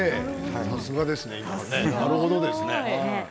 さすがですね、なるほどですね。